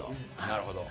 なるほど。